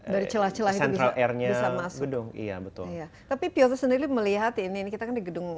dari celah celah itu bisa masuk iya betul tapi piotr sendiri melihat ini kita kan di gedung